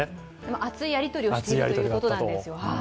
熱いやりとりをしているということなんですよ。